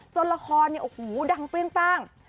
ละครเนี่ยโอ้โหดังเปรี้ยงป้าง